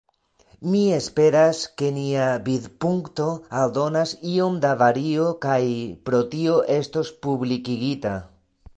Mi esperas, ke nia vidpunkto aldonas iom da vario kaj pro tio estos publikigita.